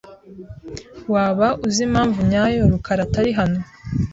Waba uzi impamvu nyayo rukaraatari hano?